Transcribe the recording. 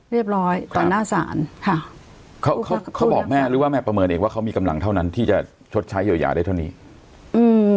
เรียบร้อยต่อหน้าศาลค่ะเขาเขาเขาบอกแม่หรือว่าแม่ประเมินเองว่าเขามีกำลังเท่านั้นที่จะชดใช้เยียวยาได้เท่านี้อืม